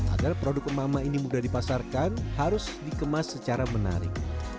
agar produk emak emak ini mudah dipasarkan harus dikemas secara menarik